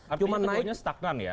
artinya tentunya stagnan ya